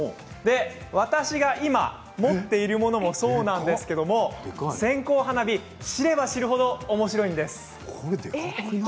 私が今、持っているものもそうなんですけれど線香花火、知れば知るほどおもしろいんです。